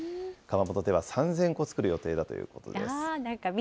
窯元では３０００個作る予定だということです。